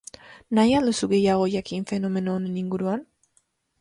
Nahi al duzu gehiago jakin fenomeno honen inguruan?